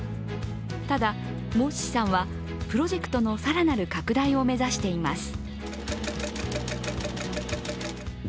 ただ、モッシさんはプロジェクトの更なる拡大を目指しています。